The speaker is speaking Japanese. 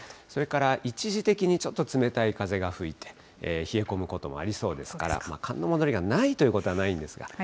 それから一時的に、ちょっと冷たい風が吹いて、冷え込むこともありそうですから、寒の戻りがないということはないんですが。